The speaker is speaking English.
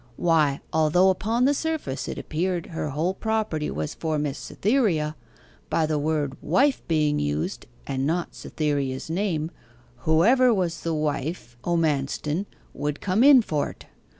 Why, although upon the surface it appeared her whole property was for Miss Cytherea, by the word "wife" being used, and not Cytherea's name, whoever was the wife o' Manston would come in for't.